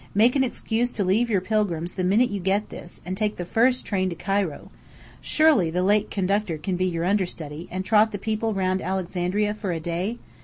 Make an excuse to leave your pilgrims the minute you get this, and take the first train to Cairo. Surely the late conductor can be your understudy, and trot the people round Alexandria for a day?